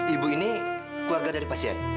ibu ini keluarga dari pasien